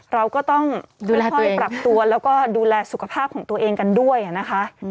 เราก็ต้องค่อยปรับตัวแล้วก็ดูแลสุขภาพของตัวเองกันด้วยนะคะ